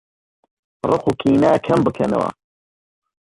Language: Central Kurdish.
ڕقوکینە کەمبکەنەوە